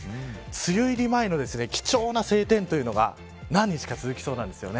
梅雨入り前の貴重な晴天というのが何日か続きそうなんです。